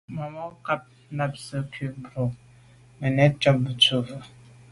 Màmá cák nâptə̄ tsə̂ cú mə̀bró nə̀ nɛ̌n cɑ̌k dʉ̀ vwá.